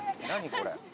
これ。